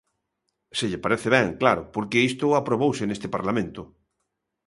Se lle parece ben, claro, porque isto aprobouse neste Parlamento.